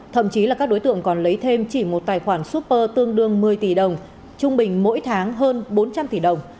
thậm chí là các đối tượng còn lấy thêm chỉ một tài khoản super tương đương một mươi tỷ đồng trung bình mỗi tháng hơn bốn trăm linh tỷ đồng